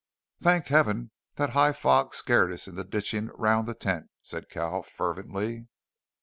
"Thank heaven, that high fog scared us into ditching around the tent," said Cal fervently.